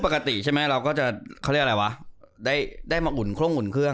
ปกติเราก็ว่าได้มาหุ่นเครื่อง